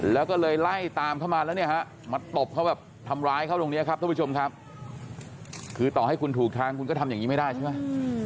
แล้วก็เลยไล่ตามเข้ามาแล้วเนี่ยฮะมาตบเขาแบบทำร้ายเขาตรงนี้ครับท่านผู้ชมครับคือต่อให้คุณถูกทางคุณก็ทำอย่างนี้ไม่ได้ใช่ไหม